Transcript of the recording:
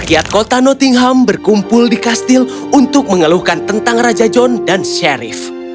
rakyat kota nottingham berkumpul di kastil untuk mengeluhkan tentang raja john dan sherif